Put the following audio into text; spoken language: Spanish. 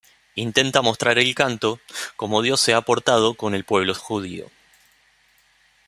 Intenta mostrar el canto como Dios se ha portado con el pueblo judío.